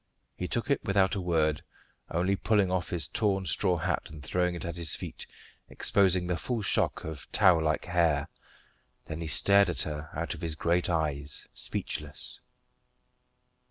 He took it without a word, only pulling off his torn straw hat and throwing it at his feet, exposing the full shock of tow like hair; then he stared at her out of his great eyes, speechless.